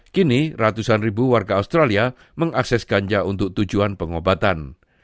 kini ratusan ribu warga australia mengakses ganja untuk tujuan pengobatan